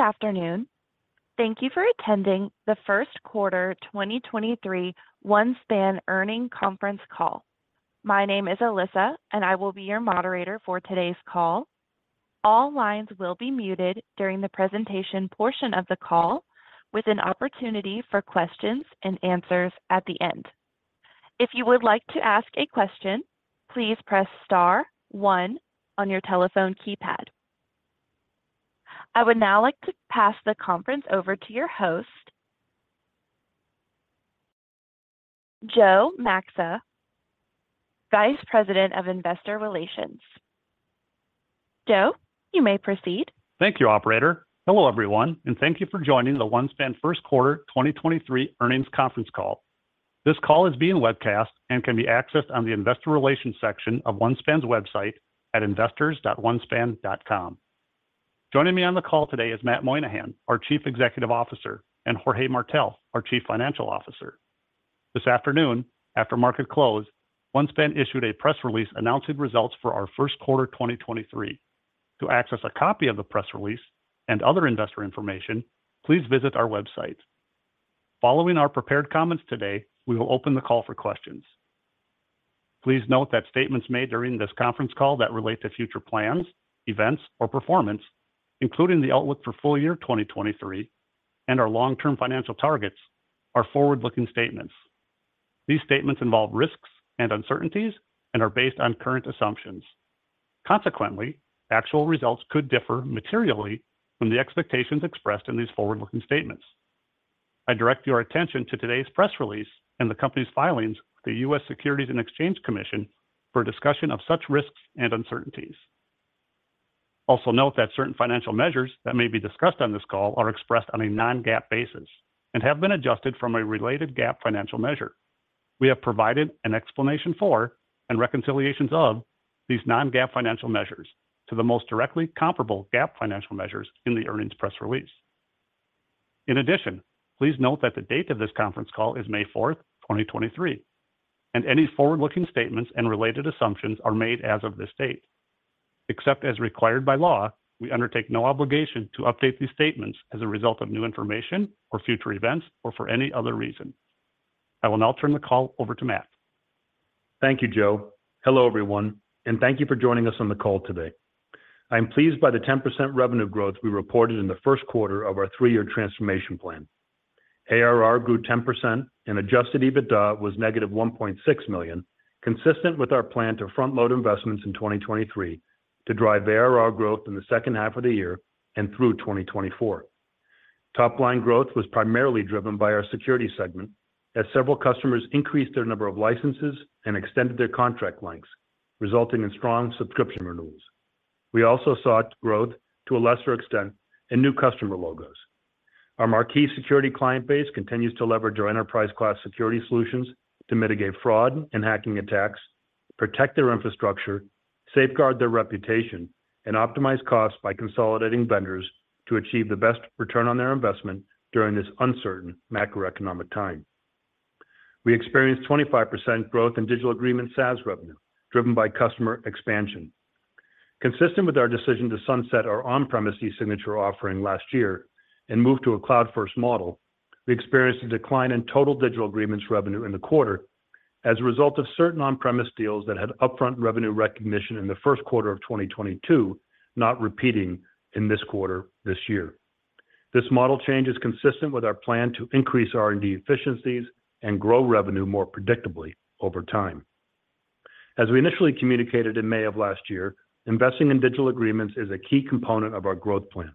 Good afternoon. Thank you for attending the first quarter 2023 OneSpan earnings conference call. My name is Alyssa, and I will be your moderator for today's call. All lines will be muted during the presentation portion of the call with an opportunity for questions and answers at the end. If you would like to ask a question, please press star one on your telephone keypad. I would now like to pass the conference over to your host, Joe Maxa, Vice President of Investor Relations. Joe, you may proceed. Thank you, operator. Hello, everyone, and thank you for joining the OneSpan first quarter 2023 earnings conference call. This call is being webcast and can be accessed on the investor relations section of OneSpan's website at investors.onespan.com. Joining me on the call today is Matthew Moynahan, our Chief Executive Officer, and Jorge Martell, our Chief Financial Officer. This afternoon, after market close, OneSpan issued a press release announcing results for our first quarter 2023. To access a copy of the press release and other investor information, please visit our website. Following our prepared comments today, we will open the call for questions. Please note that statements made during this conference call that relate to future plans, events or performance, including the outlook for full year 2023 and our long-term financial targets are forward-looking statements. These statements involve risks and uncertainties and are based on current assumptions. Consequently, actual results could differ materially from the expectations expressed in these forward-looking statements. I direct your attention to today's press release and the company's filings with the U.S. Securities and Exchange Commission for a discussion of such risks and uncertainties. Also note that certain financial measures that may be discussed on this call are expressed on a non-GAAP basis and have been adjusted from a related GAAP financial measure. We have provided an explanation for and reconciliations of these non-GAAP financial measures to the most directly comparable GAAP financial measures in the earnings press release. Please note that the date of this conference call is May 4th, 2023, and any forward-looking statements and related assumptions are made as of this date. Except as required by law, we undertake no obligation to update these statements as a result of new information or future events or for any other reason. I will now turn the call over to Matt. Thank you, Joe. Hello, everyone, and thank you for joining us on the call today. I'm pleased by the 10% revenue growth we reported in the first quarter of our three-year transformation plan. ARR grew 10% and adjusted EBITDA was negative $1.6 million, consistent with our plan to front-load investments in 2023 to drive ARR growth in the second half of the year and through 2024. Top line growth was primarily driven by our security segment as several customers increased their number of licenses and extended their contract lengths, resulting in strong subscription renewals. We also saw growth, to a lesser extent, in new customer logos. Our marquee security client base continues to leverage our enterprise-class Security Solutions to mitigate fraud and hacking attacks, protect their infrastructure, safeguard their reputation, and optimize costs by consolidating vendors to achieve the best return on their investment during this uncertain macroeconomic time. We experienced 25% growth in Digital Agreements SaaS revenue, driven by customer expansion. Consistent with our decision to sunset our on-premise e-signature offering last year and move to a cloud-first model, we experienced a decline in total Digital Agreements revenue in the quarter as a result of certain on-premise deals that had upfront revenue recognition in the first quarter of 2022, not repeating in this quarter this year. This model change is consistent with our plan to increase R&D efficiencies and grow revenue more predictably over time. As we initially communicated in May of last year, investing in Digital Agreements is a key component of our growth plan.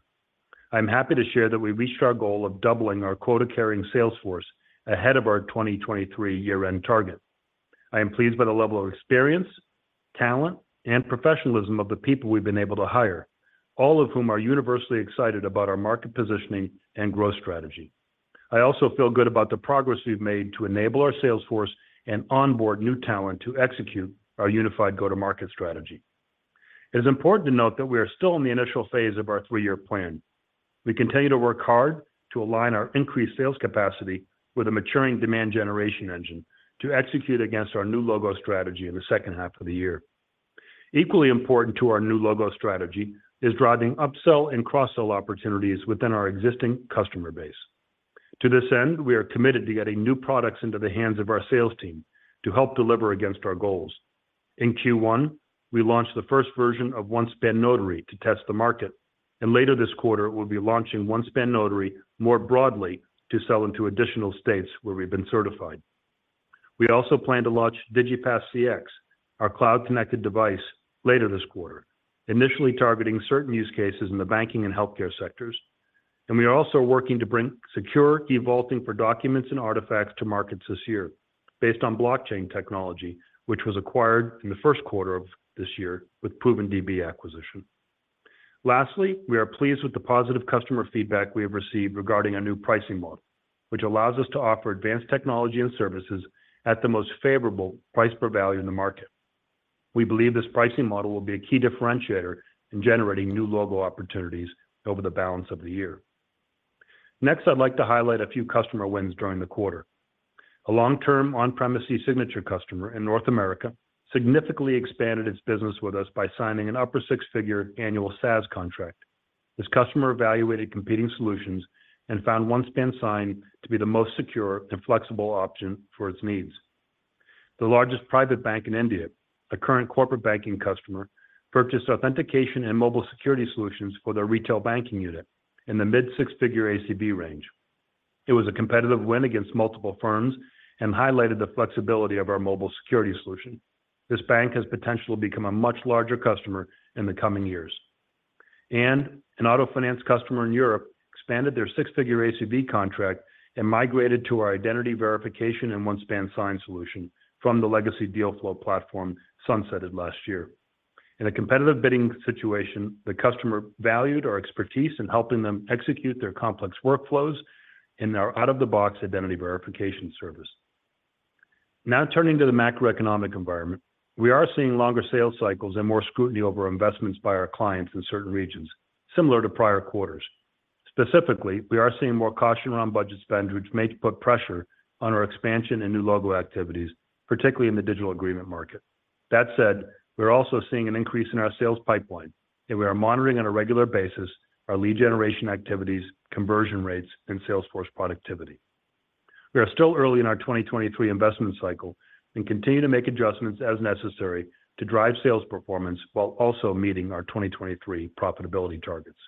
I'm happy to share that we reached our goal of doubling our quota-carrying sales force ahead of our 2023 year-end target. I am pleased by the level of experience, talent, and professionalism of the people we've been able to hire, all of whom are universally excited about our market positioning and growth strategy. I also feel good about the progress we've made to enable our sales force and onboard new talent to execute our unified go-to-market strategy. It is important to note that we are still in the initial phase of our three-year plan. We continue to work hard to align our increased sales capacity with a maturing demand generation engine to execute against our new logo strategy in the second half of the year. Equally important to our new logo strategy is driving upsell and cross-sell opportunities within our existing customer base. To this end, we are committed to getting new products into the hands of our sales team to help deliver against our goals. In Q1, we launched the first version of OneSpan Notary to test the market. Later this quarter, we'll be launching OneSpan Notary more broadly to sell into additional states where we've been certified. We also plan to launch DIGIPASS CX, our cloud-connected device, later this quarter, initially targeting certain use cases in the banking and healthcare sectors. We are also working to bring secure e-vaulting for documents and artifacts to markets this year based on blockchain technology, which was acquired in the first quarter of this year with ProvenDB acquisition. Lastly, we are pleased with the positive customer feedback we have received regarding our new pricing model, which allows us to offer advanced technology and services at the most favorable price per value in the market. We believe this pricing model will be a key differentiator in generating new logo opportunities over the balance of the year. I'd like to highlight a few customer wins during the quarter. A long-term on-premise e-signature customer in North America significantly expanded its business with us by signing an upper six-figure annual SaaS contract. This customer evaluated competing solutions and found OneSpan Sign to be the most secure and flexible option for its needs. The largest private bank in India, a current corporate banking customer, purchased authentication and mobile security solutions for their retail banking unit in the mid six-figure ACV range. It was a competitive win against multiple firms and highlighted the flexibility of our mobile security solution. An auto finance customer in Europe expanded their six-figure ACV contract and migrated to our identity verification and OneSpan Sign solution from the legacy Dealflo platform sunsetted last year. In a competitive bidding situation, the customer valued our expertise in helping them execute their complex workflows in our out-of-the-box identity verification service. Now turning to the macroeconomic environment. We are seeing longer sales cycles and more scrutiny over investments by our clients in certain regions, similar to prior quarters. Specifically, we are seeing more caution around budget spend, which may put pressure on our expansion and new logo activities, particularly in the Digital Agreements market. That said, we're also seeing an increase in our sales pipeline, and we are monitoring on a regular basis our lead generation activities, conversion rates, and sales force productivity. We are still early in our 2023 investment cycle and continue to make adjustments as necessary to drive sales performance while also meeting our 2023 profitability targets.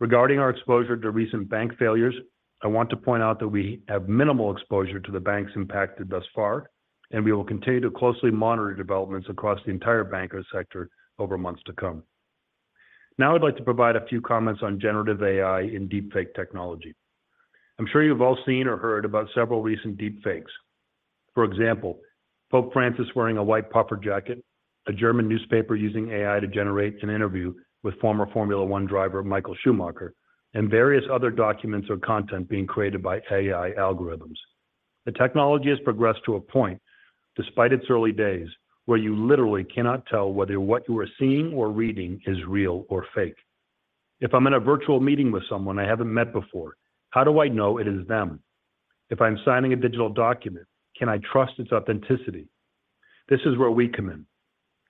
Regarding our exposure to recent bank failures, I want to point out that we have minimal exposure to the banks impacted thus far, and we will continue to closely monitor developments across the entire banking sector over months to come. Now I'd like to provide a few comments on generative AI and deepfake technology. I'm sure you've all seen or heard about several recent deepfakes. For example, Pope Francis wearing a white puffer jacket, a German newspaper using AI to generate an interview with former Formula 1 driver Michael Schumacher, and various other documents or content being created by AI algorithms. The technology has progressed to a point, despite its early days, where you literally cannot tell whether what you are seeing or reading is real or fake. If I'm in a virtual meeting with someone I haven't met before, how do I know it is them? If I'm signing a digital document, can I trust its authenticity? This is where we come in.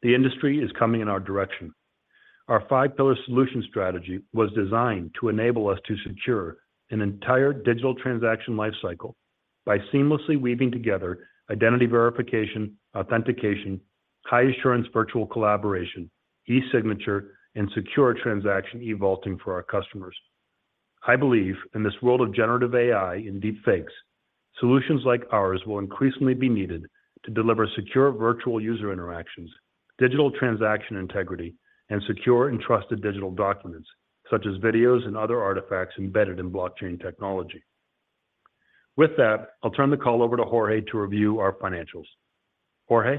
The industry is coming in our direction. Our five-pillar solution strategy was designed to enable us to secure an entire digital transaction life cycle by seamlessly weaving together identity verification, authentication, high assurance virtual collaboration, e-signature, and secure transaction e-vaulting for our customers. I believe in this world of generative AI and deepfakes, solutions like ours will increasingly be needed to deliver secure virtual user interactions, digital transaction integrity, and secure and trusted digital documents such as videos and other artifacts embedded in blockchain technology. With that, I'll turn the call over to Jorge to review our financials. Jorge.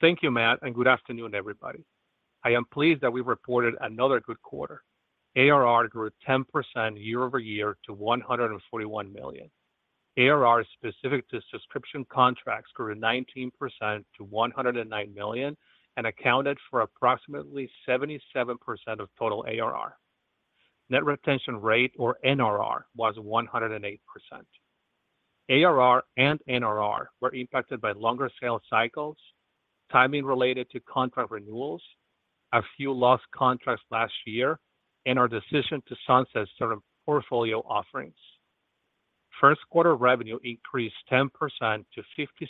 Thank you, Matt. Good afternoon, everybody. I am pleased that we reported another good quarter. ARR grew 10% year-over-year to $141 million. ARR specific to subscription contracts grew 19% to $109 million and accounted for approximately 77% of total ARR. Net retention rate or NRR was 108%. ARR and NRR were impacted by longer sales cycles, timing related to contract renewals, a few lost contracts last year, and our decision to sunset certain portfolio offerings. First quarter revenue increased 10% to $57.6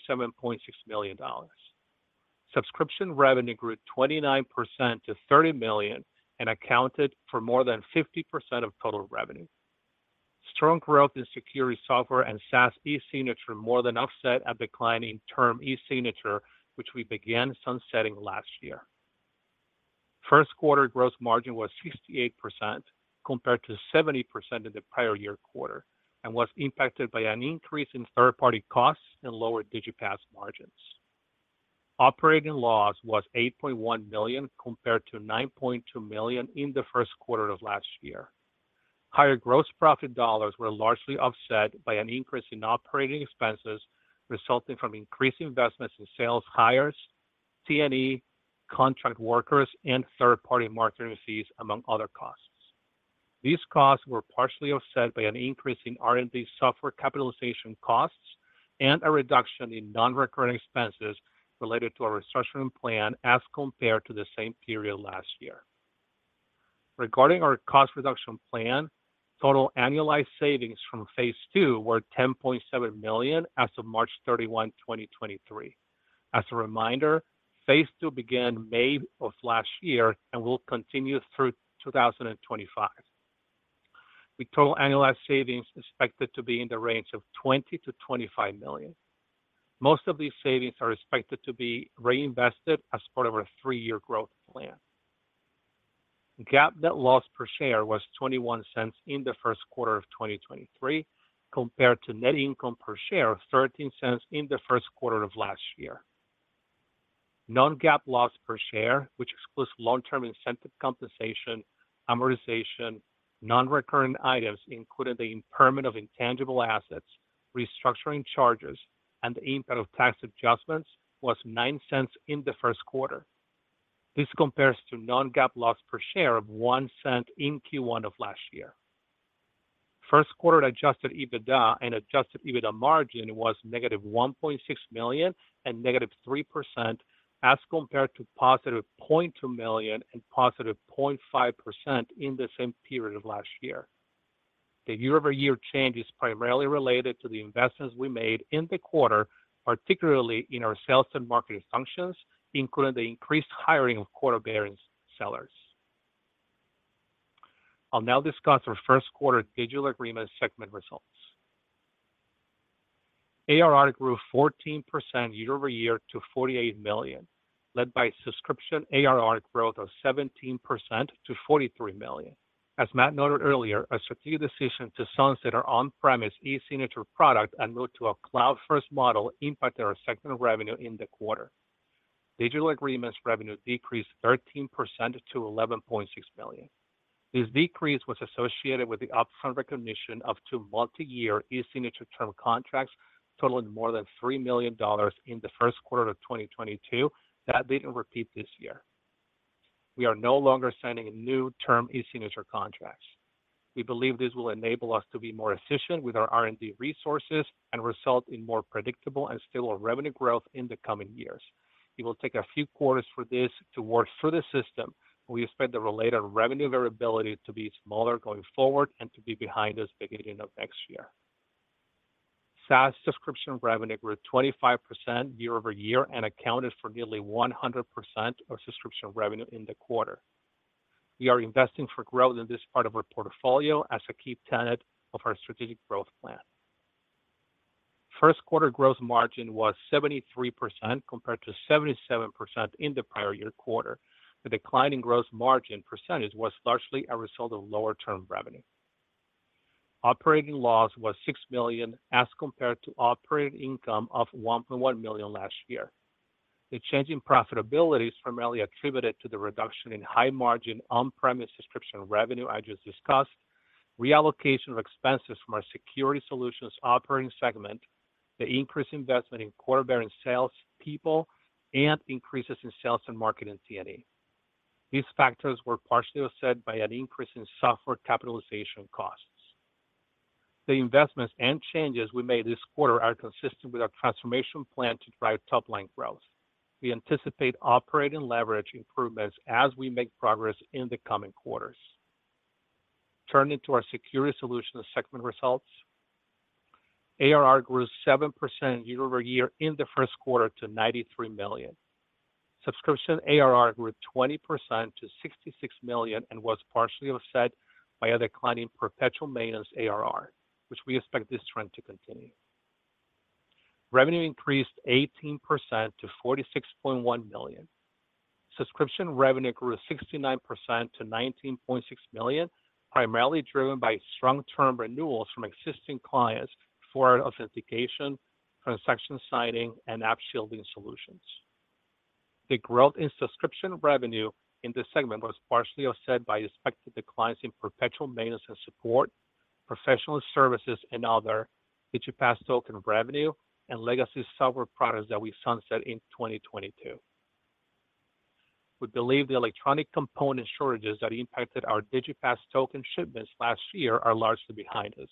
million. Subscription revenue grew 29% to $30 million and accounted for more than 50% of total revenue. Strong growth in security software and SaaS e-signature more than offset a decline in term e-signature, which we began sunsetting last year. First quarter gross margin was 68% compared to 70% in the prior year quarter, and was impacted by an increase in third-party costs and lower DIGIPASS margins. Operating loss was $8.1 million compared to $9.2 million in the first quarter of last year. Higher gross profit dollars were largely offset by an increase in operating expenses resulting from increased investments in sales hires, T&E, contract workers, and third-party marketing fees, among other costs. These costs were partially offset by an increase in R&D software capitalization costs and a reduction in non-recurring expenses related to our restructuring plan as compared to the same period last year. Regarding our cost reduction plan, total annualized savings from phase two were $10.7 million as of March 31, 2023. As a reminder, phase II began May of last year and will continue through 2025, with total annualized savings expected to be in the range of $20 million-$25 million. Most of these savings are expected to be reinvested as part of our three-year growth plan. GAAP net loss per share was $0.21 in the first quarter of 2023, compared to net income per share of $0.13 in the first quarter of last year. non-GAAP loss per share, which excludes long-term incentive compensation, amortization, non-recurring items including the impairment of intangible assets, restructuring charges, and the impact of tax adjustments, was $0.09 in the first quarter. This compares to non-GAAP loss per share of $0.01 in Q1 of last year. First quarter adjusted EBITDA and adjusted EBITDA margin was -$1.6 million and -3% as compared to $0.2 million and 0.5% in the same period of last year. The year-over-year change is primarily related to the investments we made in the quarter, particularly in our sales and marketing functions, including the increased hiring of quota-bearing sellers. I'll now discuss our first quarter Digital Agreements segment results. ARR grew 14% year-over-year to $48 million, led by subscription ARR growth of 17% to $43 million. As Matt noted earlier, our strategic decision to sunset our on-premise e-signature product and move to a cloud-first model impacted our segment revenue in the quarter. Digital Agreements revenue decreased 13% to $11.6 million. This decrease was associated with the upfront recognition of two multi-year e-signature term contracts totaling more than $3 million in the first quarter of 2022 that didn't repeat this year. We are no longer signing new term e-signature contracts. We believe this will enable us to be more efficient with our R&D resources and result in more predictable and steadier revenue growth in the coming years. It will take a few quarters for this to work through the system, but we expect the related revenue variability to be smaller going forward and to be behind us beginning of next year. SaaS subscription revenue grew 25% year-over-year and accounted for nearly 100% of subscription revenue in the quarter. We are investing for growth in this part of our portfolio as a key tenet of our strategic growth plan. First quarter gross margin was 73% compared to 77% in the prior year quarter. The decline in gross margin percentage was largely a result of lower term revenue. Operating loss was $6 million as compared to operating income of $1.1 million last year. The change in profitability is primarily attributed to the reduction in high-margin on-premise subscription revenue I just discussed, reallocation of expenses from our Security Solutions operating segment, the increased investment in quota-bearing salespeople, and increases in sales and marketing SG&A. These factors were partially offset by an increase in software capitalization costs. The investments and changes we made this quarter are consistent with our transformation plan to drive top-line growth. We anticipate operating leverage improvements as we make progress in the coming quarters. Turning to our Security Solutions segment results. ARR grew 7% year-over-year in the first quarter to $93 million. Subscription ARR grew 20% to $66 million and was partially offset by a decline in perpetual maintenance ARR, which we expect this trend to continue. Revenue increased 18% to $46.1 million. Subscription revenue grew 69% to $19.6 million, primarily driven by strong term renewals from existing clients for our authentication, transaction signing, and App Shielding solutions. The growth in subscription revenue in this segment was partially offset by expected declines in perpetual maintenance and support, professional services, and other DIGIPASS token revenue and legacy software products that we sunset in 2022. We believe the electronic component shortages that impacted our DIGIPASS token shipments last year are largely behind us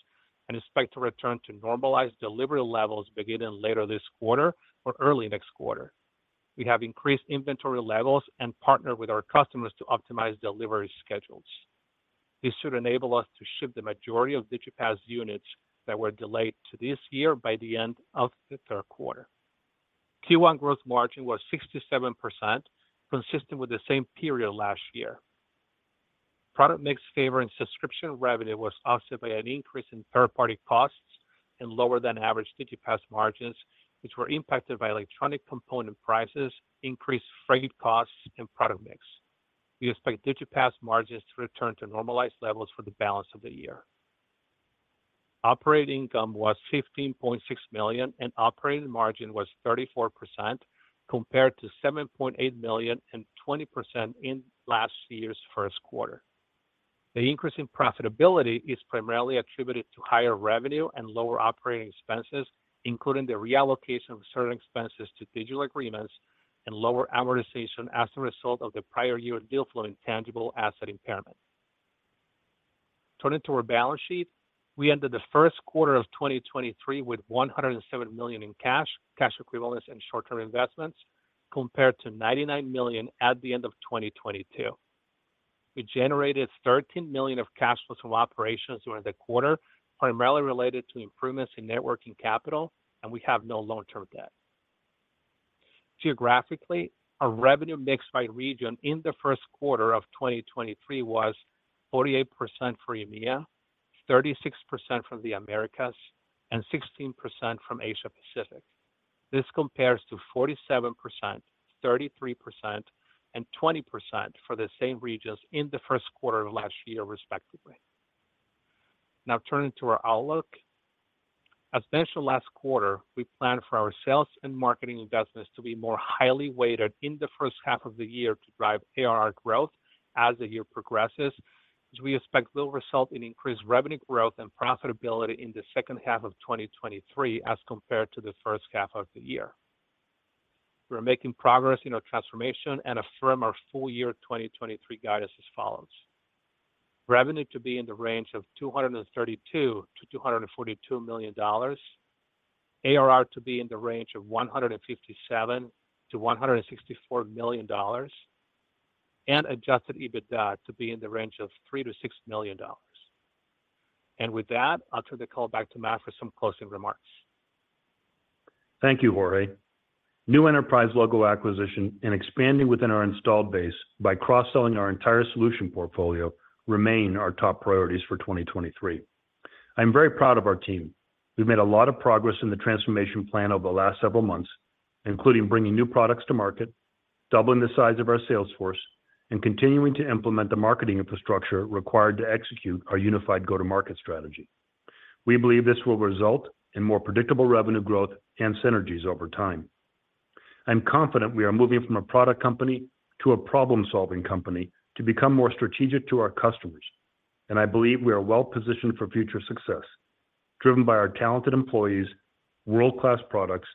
and expect to return to normalized delivery levels beginning later this quarter or early next quarter. We have increased inventory levels and partnered with our customers to optimize delivery schedules. This should enable us to ship the majority of DIGIPASS units that were delayed to this year by the end of the third quarter. Q1 growth margin was 67%, consistent with the same period last year. Product mix favor in subscription revenue was offset by an increase in third-party costs and lower than average DIGIPASS margins, which were impacted by electronic component prices, increased freight costs, and product mix. We expect DIGIPASS margins to return to normalized levels for the balance of the year. Operating income was $15.6 million, and operating margin was 34%, compared to $7.8 million and 20% in last year's first quarter. The increase in profitability is primarily attributed to higher revenue and lower operating expenses, including the reallocation of certain expenses to Digital Agreements and lower amortization as a result of the prior year Dealflo intangible asset impairment. Turning to our balance sheet, we ended the first quarter of 2023 with $107 million in cash equivalents, and short-term investments, compared to $99 million at the end of 2022. We generated $13 million of cash flows from operations during the quarter, primarily related to improvements in net working capital, and we have no long-term debt. Geographically, our revenue mix by region in the first quarter of 2023 was 48% for EMEA, 36% from the Americas, and 16% from Asia Pacific. This compares to 47%, 33%, and 20% for the same regions in the first quarter of last year, respectively. Now turning to our outlook. As mentioned last quarter, we planned for our sales and marketing investments to be more highly weighted in the first half of the year to drive ARR growth as the year progresses. We expect will result in increased revenue growth and profitability in the second half of 2023 as compared to the first half of the year. We are making progress in our transformation and affirm our full year 2023 guidance as follows: Revenue to be in the range of $232 million-$242 million. ARR to be in the range of $157 million-$164 million. Adjusted EBITDA to be in the range of $3 million-$6 million. With that, I'll turn the call back to Matt for some closing remarks. Thank you, Jorge. New enterprise logo acquisition and expanding within our installed base by cross-selling our entire solution portfolio remain our top priorities for 2023. I'm very proud of our team. We've made a lot of progress in the transformation plan over the last several months, including bringing new products to market, doubling the size of our sales force, and continuing to implement the marketing infrastructure required to execute our unified go-to-market strategy. We believe this will result in more predictable revenue growth and synergies over time. I'm confident we are moving from a product company to a problem-solving company to become more strategic to our customers, and I believe we are well positioned for future success, driven by our talented employees, world-class products,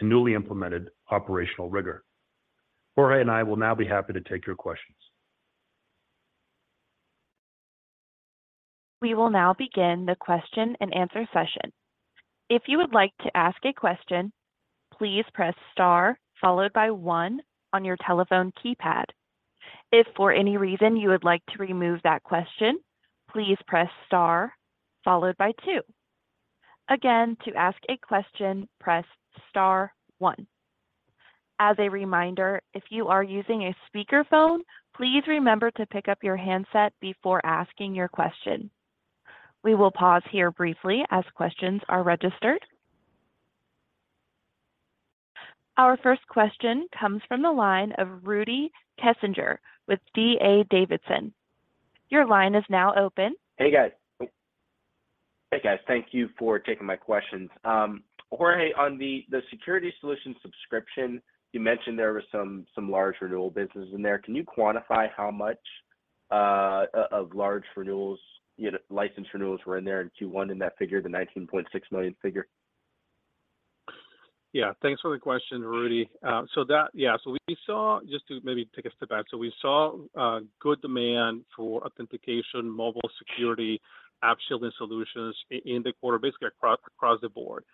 and newly implemented operational rigor. Jorge and I will now be happy to take your questions. We will now begin the question-and-answer session. If you would like to ask a question, please press star followed by one on your telephone keypad. If for any reason you would like to remove that question, please press star followed by two. Again, to ask a question, press star one. As a reminder, if you are using a speakerphone, please remember to pick up your handset before asking your question. We will pause here briefly as questions are registered. Our first question comes from the line of Rudy Kessinger with D.A. Davidson. Your line is now open. Hey, guys. Thank you for taking my questions. Jorge, on the security solution subscription, you mentioned there were some large renewal business in there. Can you quantify how much of large renewals, you know, license renewals were in there in Q1 in that figure, the $19.6 million figure? Thanks for the question, Rudy. We saw good demand for authentication, mobile security, App Shielding solutions in the quarter, basically across the board.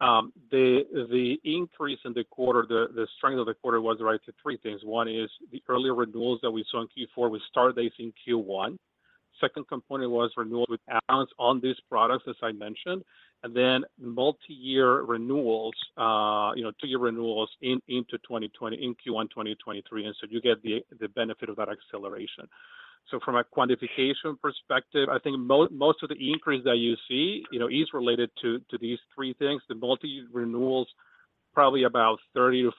The increase in the quarter, the strength of the quarter was right to three things. One is the earlier renewals that we saw in Q4 will start basing Q1. Second component was renewals with adds on these products, as I mentioned, multi-year renewals, you know, two-year renewals in Q1 2023. You get the benefit of that acceleration. From a quantification perspective, I think most of the increase that you see, you know, is related to these three things. The multi-year renewals, probably about 30%-40%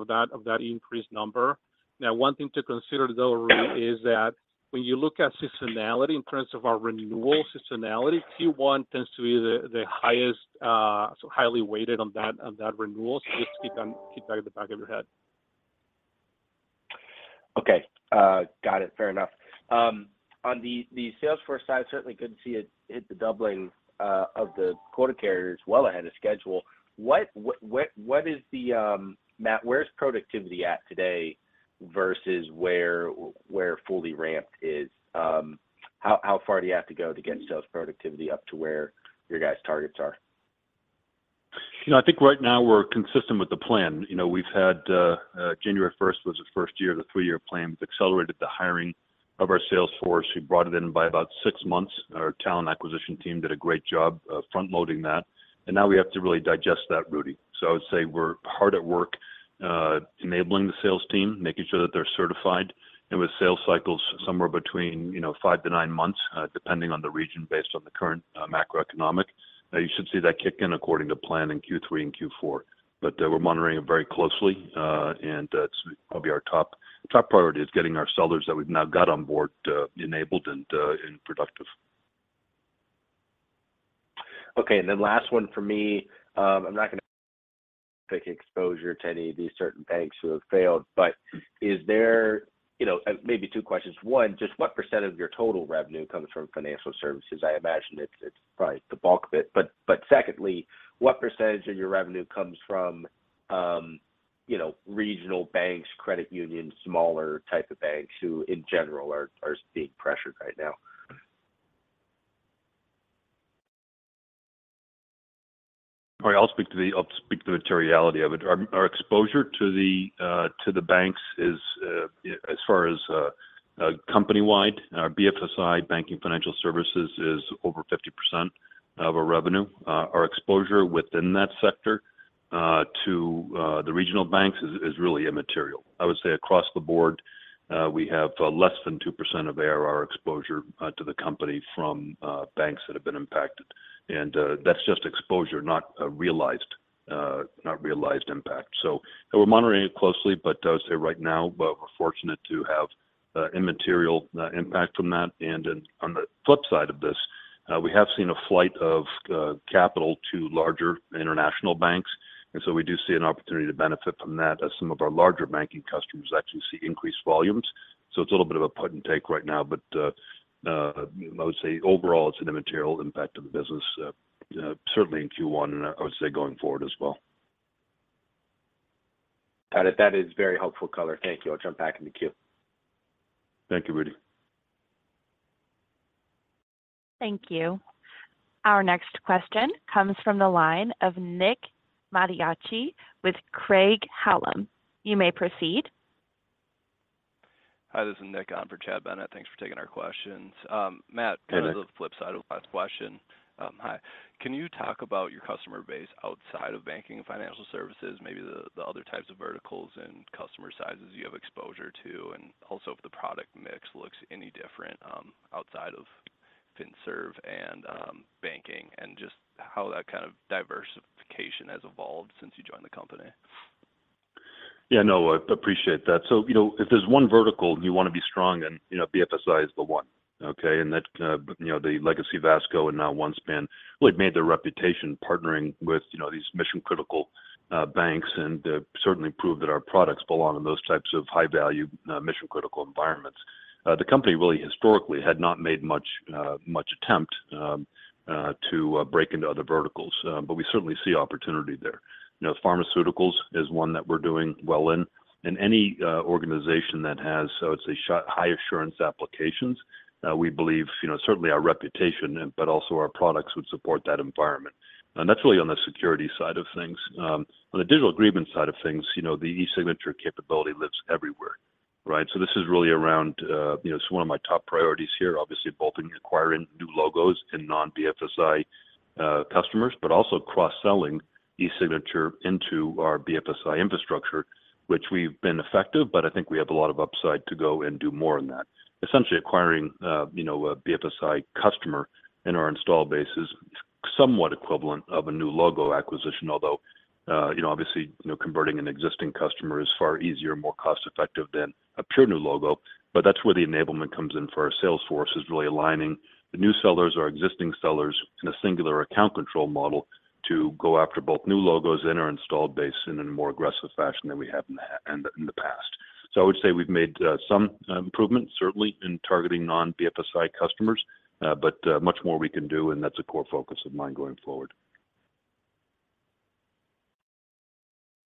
of that, of that increased number. One thing to consider though, Rudy, is that when you look at seasonality in terms of our renewal seasonality, Q1 tends to be the highest, so highly weighted on that renewal. Just keep that at the back of your head. Okay. Got it. Fair enough. On the Salesforce side, certainly good to see it hit the doubling of the quota carriers well ahead of schedule. Matt, where's productivity at today versus where fully ramped is? How far do you have to go to get sales productivity up to where your guys' targets are? You know, I think right now we're consistent with the plan. You know, we've had January first was the first year of the three-year plan. We've accelerated the hiring of our sales force. We brought it in by about six months. Our talent acquisition team did a great job of front-loading that. Now we have to really digest that, Rudy. I would say we're hard at work enabling the sales team, making sure that they're certified and with sales cycles somewhere between, you know, five to nine months, depending on the region based on the current macroeconomic. You should see that kick in according to plan in Q3 and Q4. We're monitoring it very closely. That's probably our top priority is getting our sellers that we've now got on board enabled and productive. Okay. Last one from me. I'm not gonna pick exposure to any of these certain banks who have failed, but is there, you know. Maybe two questions. One, just what % of your total revenue comes from financial services? I imagine it's probably the bulk of it. Secondly, what % of your revenue comes from, you know, regional banks, credit unions, smaller type of banks who in general are being pressured right now? All right. I'll speak to the materiality of it. Our exposure to the banks is as far as company-wide, our BFSI, banking financial services, is over 50% of our revenue. Our exposure within that sector to the regional banks is really immaterial. I would say across the board, we have less than 2% of ARR exposure to the company from banks that have been impacted. That's just exposure, not realized, not realized impact. We're monitoring it closely, but I would say right now, we're fortunate to have immaterial impact from that. On the flip side of this, we have seen a flight of capital to larger international banks, we do see an opportunity to benefit from that as some of our larger banking customers actually see increased volumes. It's a little bit of a give and take right now. I would say overall it's an immaterial impact on the business, certainly in Q1, and I would say going forward as well. Got it. That is very helpful color. Thank you. I'll jump back in the queue. Thank you, Rudy. Thank you. Our next question comes from the line of Nick Mattiacci with Craig-Hallum. You may proceed. Hi, this is Nick on for Chad Bennett. Thanks for taking our questions. Hey, Nick. The flip side of last question. Hi. Can you talk about your customer base outside of banking and financial services, maybe the other types of verticals and customer sizes you have exposure to, and also if the product mix looks any different, outside of financial services and banking, and just how that kind of diversification has evolved since you joined the company? Yeah, no, I appreciate that. You know, if there's one vertical you wanna be strong in, you know, BFSI is the one, okay? That, you know, the legacy VASCO and now OneSpan really made their reputation partnering with, you know, these mission-critical banks and certainly proved that our products belong in those types of high-value mission-critical environments. The company really historically had not made much much attempt to break into other verticals, but we certainly see opportunity there. You know, pharmaceuticals is one that we're doing well in. Any organization that has high assurance applications, we believe, you know, certainly our reputation but also our products would support that environment. That's really on the security side of things. On the digital agreement side of things, you know, the e-signature capability lives everywhere, right? This is really around, you know, this is one of my top priorities here, obviously bolting and acquiring new logos in non-BFSI customers, but also cross-selling e-signature into our BFSI infrastructure, which we've been effective, but I think we have a lot of upside to go and do more in that. Essentially acquiring, you know, a BFSI customer in our installed base is somewhat equivalent of a new logo acquisition, although, you know, obviously, you know, converting an existing customer is far easier and more cost-effective than a pure new logo. That's where the enablement comes in for our sales force, is really aligning the new sellers or existing sellers in a singular account control model to go after both new logos in our installed base and in a more aggressive fashion than we have in the past. I would say we've made some improvements certainly in targeting non-BFSI customers, but much more we can do and that's a core focus of mine going forward.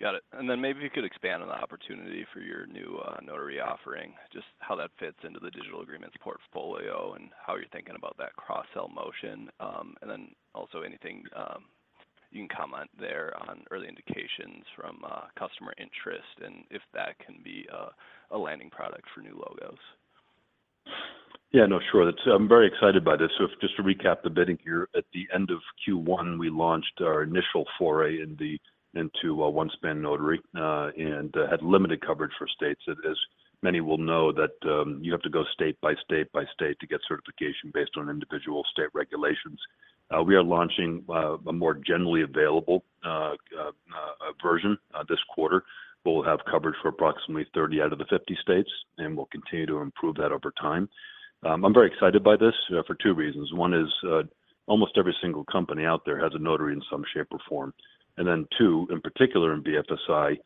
Got it. Maybe you could expand on the opportunity for your new OneSpan Notary offering, just how that fits into the Digital Agreements portfolio and how you're thinking about that cross-sell motion. Also anything, you can comment there on early indications from customer interest and if that can be a landing product for new logos. Yeah, no, sure. I'm very excited by this. Just to recap a bit here, at the end of Q1, we launched our initial foray into OneSpan Notary, and had limited coverage for states. As many will know that, you have to go state by state to get certification based on individual state regulations. We are launching a more generally available version this quarter. We'll have coverage for approximately 30 out of the 50 states, and we'll continue to improve that over time. I'm very excited by this for two reasons. One is, almost every single company out there has a notary in some shape or form. Two, in particular in BFSI,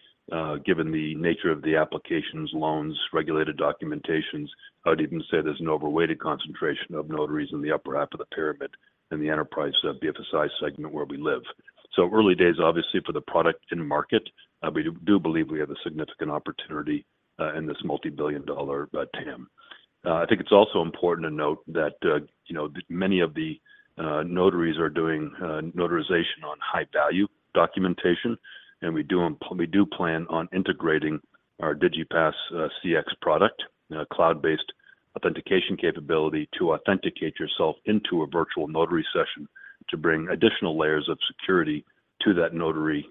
given the nature of the applications, loans, regulated documentations, I'd even say there's an overweighted concentration of notaries in the upper half of the pyramid in the enterprise of BFSI segment where we live. Early days, obviously, for the product in market. We do believe we have a significant opportunity in this multi-billion dollar TAM. I think it's also important to note that, you know, many of the notaries are doing notarization on high-value documentation, and we do plan on integrating our DIGIPASS CX product, cloud-based authentication capability to authenticate yourself into a virtual notary session to bring additional layers of security to that notary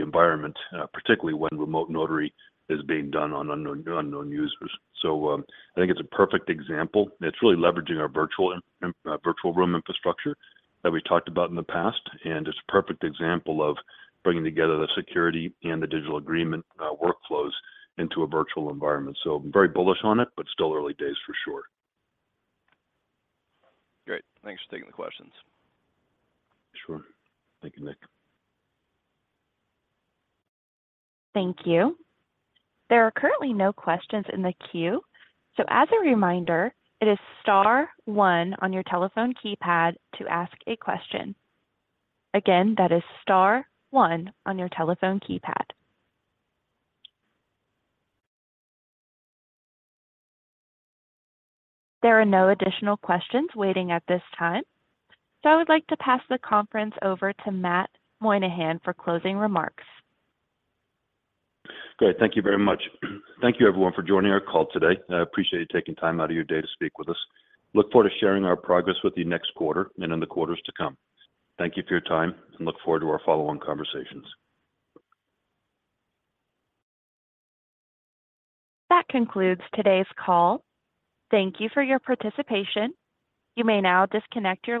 environment, particularly when remote notary is being done on unknown users. I think it's a perfect example. It's really leveraging our virtual room infrastructure that we talked about in the past. It's a perfect example of bringing together the security and the digital agreement workflows into a virtual environment. I'm very bullish on it, but still early days for sure. Great. Thanks for taking the questions. Sure. Thank you, Nick. Thank you. There are currently no questions in the queue. As a reminder, it is star one on your telephone keypad to ask a question. Again, that is star one on your telephone keypad. There are no additional questions waiting at this time, I would like to pass the conference over to Matthew Moynahan for closing remarks. Great. Thank you very much. Thank you everyone for joining our call today. I appreciate you taking time out of your day to speak with us. Look forward to sharing our progress with you next quarter and in the quarters to come. Thank you for your time and look forward to our follow-on conversations. That concludes today's call. Thank you for your participation. You may now disconnect your.